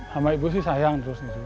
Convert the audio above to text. sama ibu sih sayang terus